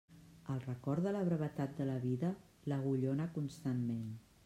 El record de la brevetat de la vida l'agullona constantment.